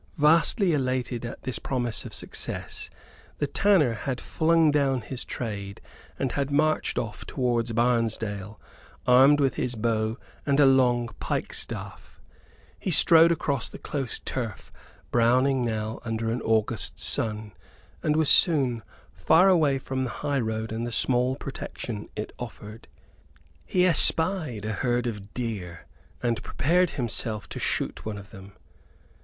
Vastly elated at this promise of success, the tanner had flung down his trade and had marched off towards Barnesdale, armed with his bow and a long pike staff. He strode across the close turf, browning now under an August sun, and was soon far away from the highroad and the small protection it afforded. He espied a herd of deer, and prepared himself to shoot one of them.